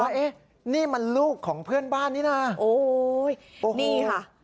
เอ๊ะนี่มันลูกของเพื่อนบ้านนี่นะโอ้โหนี่ค่ะ